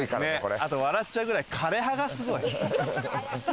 あと笑っちゃうくらい枯れ葉がすごい。